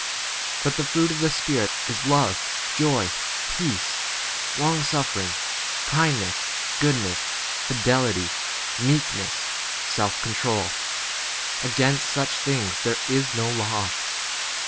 But the fruit of the Spirit is love, joy, peace, long suffering, kindness, 23 goodness, fidelity, meekness, self control : against such things there 24 is no law.